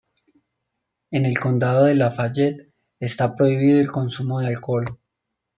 En el Condado de Lafayette está prohibido el consumo de alcohol.